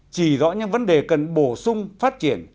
chỉ rõ những vấn đề cần bổ sung phát triển